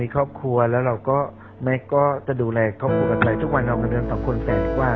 ทุกวันเราก็เดือนต่อคนแฟนดีกว่า